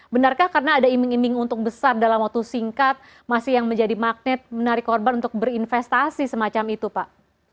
benarkah karena ada iming iming untuk besar dalam waktu singkat masih yang menjadi magnet menarik korban untuk berinvestasi semacam itu pak